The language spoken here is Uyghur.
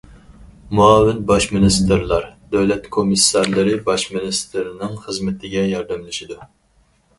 مۇئاۋىن باش مىنىستىرلار، دۆلەت كومىسسارلىرى باش مىنىستىرنىڭ خىزمىتىگە ياردەملىشىدۇ.